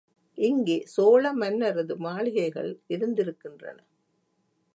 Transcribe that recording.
இங்கே சோழ மன்னரது மாளிகைகள் இருந்திருக்கின்றன.